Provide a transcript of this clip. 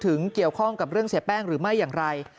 เกี่ยวข้องกับเรื่องเสียแป้งหรือไม่อย่างไร